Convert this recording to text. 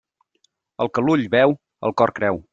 El que l'ull veu, el cor creu.